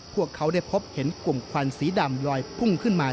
พวกเขาได้พบเห็นกลุ่มควันสีดำลอยพุ่งขึ้นมา